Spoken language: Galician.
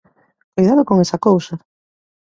Coidado con esa cousa!